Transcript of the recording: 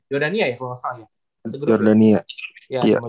jordania ya kalau gak salah ya